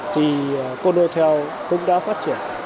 thì conotel cũng đã phát triển